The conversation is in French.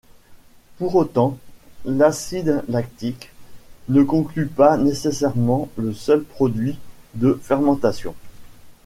Pour autant, l'acide lactique ne conclue pas nécessairement le seul produit de fermentation.